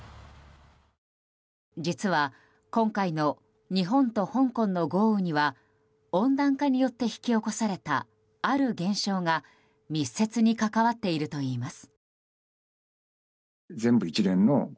実は今回の日本と香港の豪雨には温暖化によって引き起こされたある現象が密接に関わっているといいます。